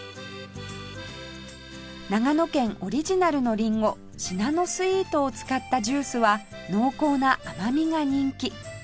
長野県オリジナルのリンゴシナノスイートを使ったジュースは濃厚な甘みが人気